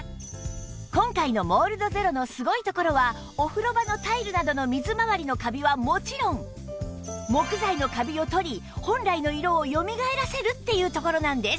今回のモールドゼロのすごいところはお風呂場のタイルなどの水まわりのカビはもちろん木材のカビを取り本来の色をよみがえらせるっていうところなんです